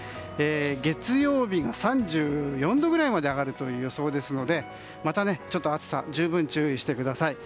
月曜日が３４度ぐらいまで上がるという予想ですのでまた暑さ、十分注意してください。